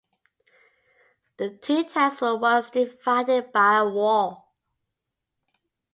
The two towns were once divided by a wall.